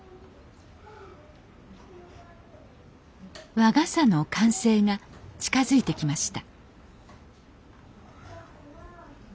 和傘の完成が近づいてきました